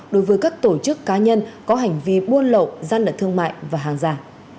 đối với các tổ chức cá nhân có hành vi muôn lậu gian lệ thương mại và hàng giả